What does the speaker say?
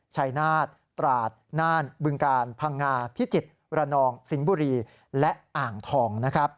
ชัยนาฏตราดน่านบึงกาลพังงาพิจิตรระนองสิงห์บุรีและอ่างทองนะครับ